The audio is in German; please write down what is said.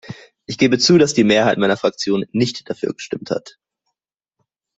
Ich gebe zu, dass die Mehrheit meiner Fraktion nicht dafür gestimmt hat.